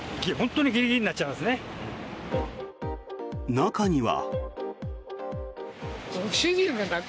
中には。